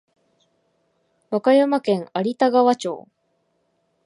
和歌山県有田川町